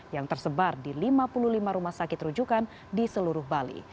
yang tersebar di lima puluh lima rumah sakit rujukan di seluruh bali